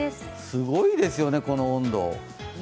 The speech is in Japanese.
すごいですよね、この温度。